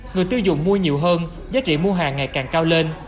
người tiêu dùng mua nhiều hơn giá trị mua hàng ngày càng cao lên